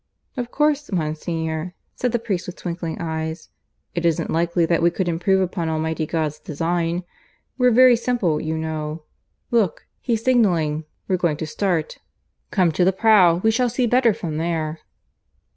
"Of course, Monsignor," said the priest, with twinkling eyes, "it isn't likely that we could improve upon Almighty God's design. We're very simple, you know. ... Look, he's signalling. We're going to start. Come to the prow. We shall see better from there."